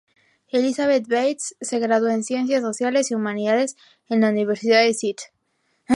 Elizabeth Bates se graduó en Ciencias Sociales y Humanidades en la Universidad de St.